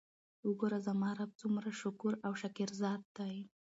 وګوره! زما رب څومره شکور او شاکر ذات دی!!؟